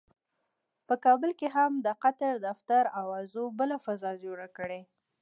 په کابل کې هم د قطر دفتر اوازو بله فضا جوړه کړې.